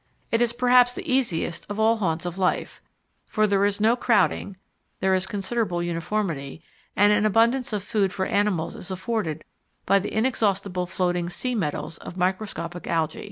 It is perhaps the easiest of all the haunts of life, for there is no crowding, there is considerable uniformity, and an abundance of food for animals is afforded by the inexhaustible floating "sea meadows" of microscopic Algæ.